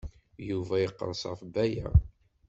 Yuba yeqres ɣef Baya.